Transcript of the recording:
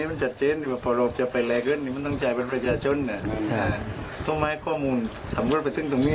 สำหรับเรือสีแม่ตัญจะเป็นรือสีที่มีชื่อเสียงนะคะ